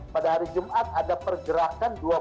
pada hari jumat ada pergerakan